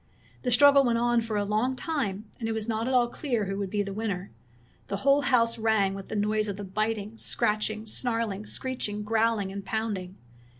The struggle went on for a long time, and it was not at all clear who would be the winner. The whole house rang with the noise of the biting, scratching, snarling, screeching, growling, and pounding.